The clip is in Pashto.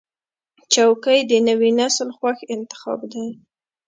چوکۍ د نوي نسل خوښ انتخاب دی.